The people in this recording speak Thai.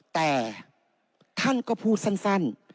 แต่ท่านก็พูดสั้น